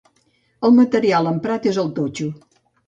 El material emprat és el totxo.